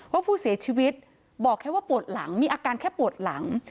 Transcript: ว่าผู้เสียชีวิตบอกแค่ว่าปวดหลังมีอาการแค่ปวดหลัง